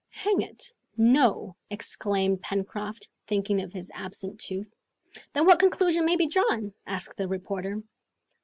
"Hang it, no!" exclaimed Pencroft, thinking of his absent tooth. "Then what conclusion may be drawn?" asked the reporter.